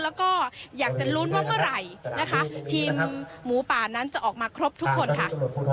แล้วก็อยากจะลุ้นว่าเมื่อไหร่นะคะทีมหมูป่านั้นจะออกมาครบทุกคนค่ะ